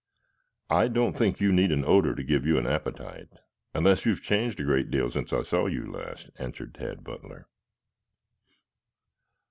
"I don't think you need an odor to give you an appetite, unless you have changed a great deal since I saw you last," answered Tad Butler.